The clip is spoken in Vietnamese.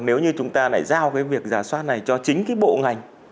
nếu như chúng ta lại giao cái việc giả soát này cho chính cái bộ ngành